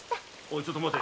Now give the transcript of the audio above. ちょっと待て。